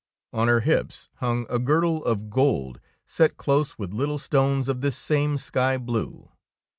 On her hips hung a girdle of gold set close with little stones of this same sky blue.